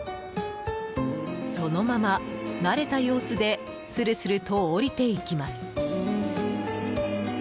そのまま、慣れた様子でスルスルと降りていきます。